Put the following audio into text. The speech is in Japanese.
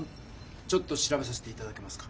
ちょっと調べさせていただけますか？